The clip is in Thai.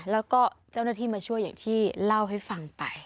แล้วก็เจ้าหน้าที่มาช่วยอย่างที่เล่าให้ฟังไป